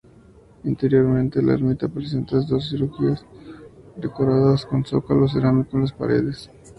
Interiormente la ermita presenta dos crujías, decoradas con zócalo cerámico en las paredes.